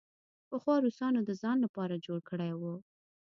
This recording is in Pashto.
پخوا روسانو د ځان لپاره جوړ کړی وو.